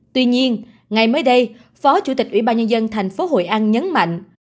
tuy nhiên ngày mới đây phó chủ tịch ủy ban nhân dân thành phố hội an nhấn mạnh